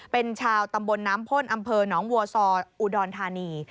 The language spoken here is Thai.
เป็นชาวตำบลน้ำพ่นอำเภอหนองวัวซออุดรธานี